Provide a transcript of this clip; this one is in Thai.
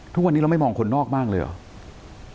ทุกวันนี้เราไม่มองคนนอกบ้างเลยเหรอ